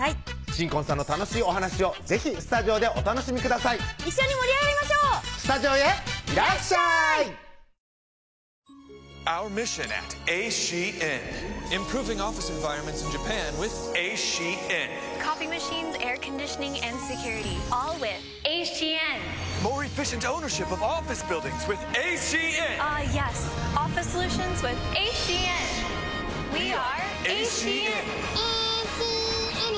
新婚さんの楽しいお話を是非スタジオでお楽しみください一緒に盛り上がりましょうスタジオへいらっしゃいドーンドーン早いよ